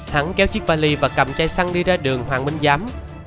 thắng kéo chiếc vali và cầm chai xăng đi ra đường hoàng minh giám